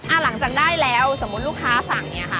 หลังจากได้แล้วสมมุติลูกค้าสั่งเนี่ยค่ะ